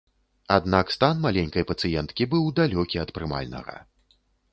Аднак стан маленькай пацыенткі быў далёкі ад прымальнага.